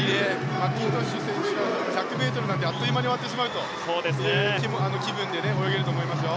マッキントッシュ選手なんかは１００ｍなんてあっという間に終わってしまうという気分で泳げると思いますよ。